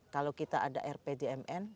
kalau kita ada rpjmn